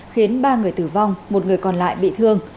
khiến ba người tử vong một người còn lại bị thương